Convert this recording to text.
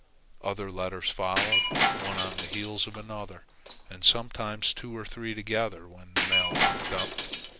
Other letters followed, one on the heels of another, and sometimes two or three together when the mail lumped up.